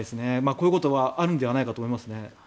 こういうことはあるんじゃないかなと思いますね。